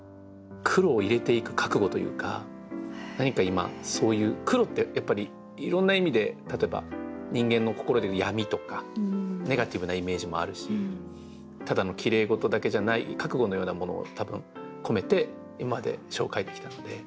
黒を入れていく覚悟というか何か今そういう黒ってやっぱりいろんな意味で例えば人間の心でいう闇とかネガティブなイメージもあるしただのきれい事だけじゃない覚悟のようなものを多分込めて今まで書を書いてきたので。